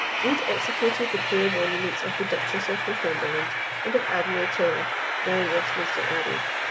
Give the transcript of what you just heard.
Read executed the poor monuments of the Duchess of Northumberland and of Admiral Tyrrell, now in Westminster Abbey.